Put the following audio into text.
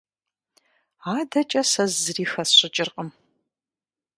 АдэкӀэ сэ зыри хэсщӀыкӀыркъым.